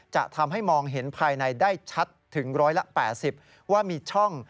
จะทำให้มองเห็นภายในได้ชัดถึง๑๘๐ว่ามีช่อง